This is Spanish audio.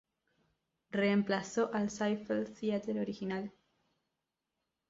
Reemplazó al Ziegfeld Theatre original.